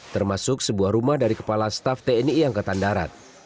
termasuk sebuah rumah dari kepala staff tni angkatan darat